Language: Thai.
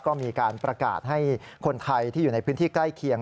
ก็มีการประกาศให้คนไทยที่อยู่ในพื้นที่ใกล้เคียง